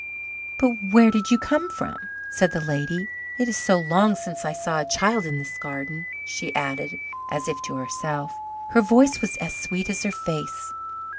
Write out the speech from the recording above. "But where did you come from?" said the lady. "It is so long since I saw a child in this garden," she added, as if to herself. Her voice was as sweet as her face.